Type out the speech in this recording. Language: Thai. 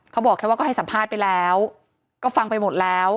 เขาบอกแค่ว่าก็ให้สัมภาษณ์ไปแล้วก็ฟังไปหมดแล้ว